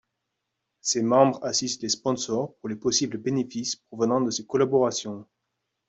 Ces membres assistent les sponsors pour les possibles bénéfices provenant de ces collaborations.